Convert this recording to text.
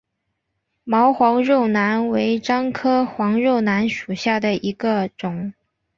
毛黄肉楠为樟科黄肉楠属下的一个种。